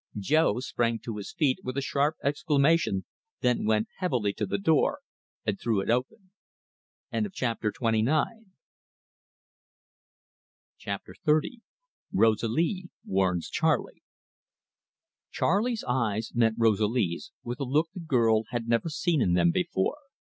Jo sprang to his feet with a sharp exclamation, then went heavily to the door and threw it open. CHAPTER XXX. ROSALIE WARNS CHARLEY Charley's eyes met Rosalie's with a look the girl had never seen in them before.